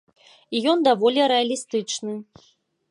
І ён даволі рэалістычны.